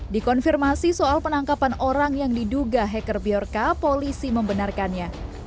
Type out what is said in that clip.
dikonfirmasi soal penangkapan orang yang diduga hacker bjorka polisi membenarkannya